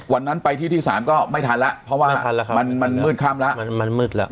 วันนั้นไปที่ที่สามก็ไม่ทันแล้วเพราะว่ามันมืดข้ามแล้ว